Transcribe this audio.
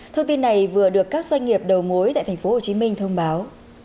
thông tin này vừa được các doanh nghiệp đầu mối tại tp hcm thông báo